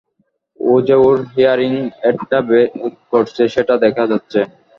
ও যে ওর হিয়ারিং এইডটা বের করছে সেটা দেখা যাচ্ছে।